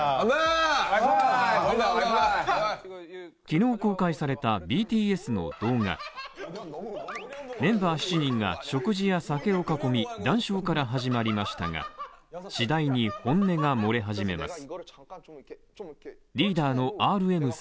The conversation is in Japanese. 昨日公開されたＢＴＳの動画メンバー１人１人が食事や酒を囲み談笑から始まりましたが、次第に本音が漏れ始めます。